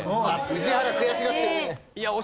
宇治原悔しがってるね。